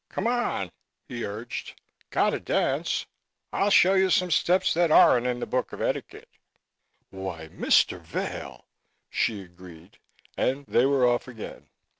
"Come on," he urged. "Got to dance. I'll show you some steps that aren't in the book of etiquette." "Why, Mr. Vail!" she agreed, and they were off again.